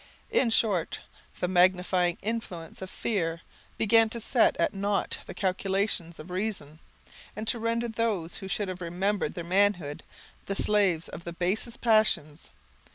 In short, the magnifying influence of fear began to set at naught the calculations of reason, and to render those who should have remembered their manhood, the slaves of the basest passions.